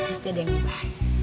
pasti ada yang pas